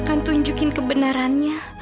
sampai jumpa di video selanjutnya